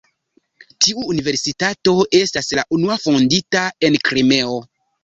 Tiu universitato estas la unua fondita en Krimeo.